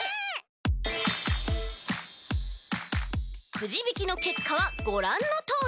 くじびきのけっかはごらんのとおり！